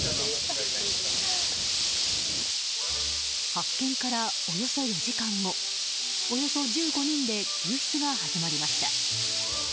発見からおよそ４時間後およそ１５人で救出が始まりました。